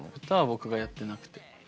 歌は僕がやってなくて。